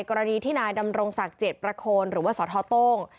กรณีที่นายดำรงศักดิ์เจ็ดประโคนหรือว่าสทโต้ง